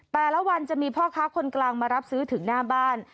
แต่ละวันจะมีพ่อค้าคนกลางมารับซื้อถึงหน้าบ้าน